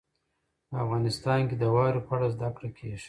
په افغانستان کې د واورې په اړه زده کړه کېږي.